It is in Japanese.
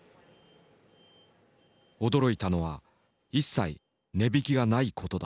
驚いたのは一切値引きがないことだった。